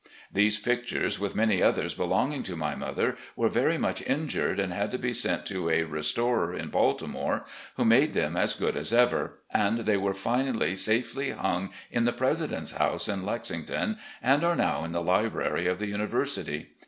These pictures, with many others belonging to my mother, were very much injured and had to be sent to a restorer in Balti more, who made them as good as ever, and they were finally safely hung in the president's house in Lexington, and are now in the library of the university.